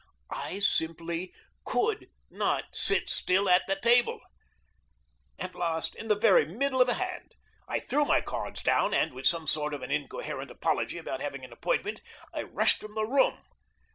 I simply COULD not sit still at the table. At last, in the very middle of a hand, I threw my cards down and, with some sort of an incoherent apology about having an appointment, I rushed from the room.